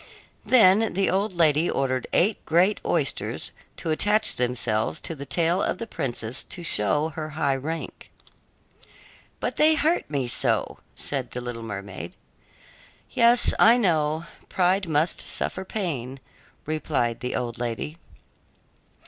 Then the old lady ordered eight great oysters to attach themselves to the tail of the princess to show her high rank. "But they hurt me so," said the little mermaid. "Yes, I know; pride must suffer pain," replied the old lady.